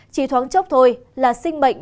chỉ thoáng chốc thôi là sinh mệnh